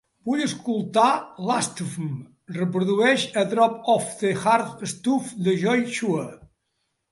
Vull escoltar Lastfm, reprodueix A Drop Of The Hard Stuff de Joi Chua.